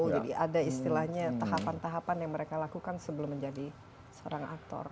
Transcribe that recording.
jadi ada istilahnya tahapan tahapan yang mereka lakukan sebelum menjadi seorang aktor